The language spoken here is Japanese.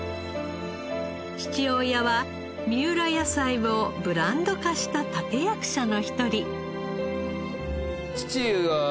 父親は三浦野菜をブランド化した立役者の一人。